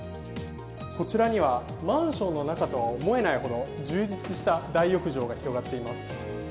こちらにはマンションの中とは思えないほど充実した大浴場が広がっています。